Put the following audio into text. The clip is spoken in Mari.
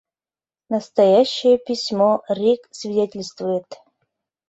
«Настоящее письмо РИК свидетельствует...